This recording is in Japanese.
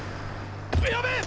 やべえっ！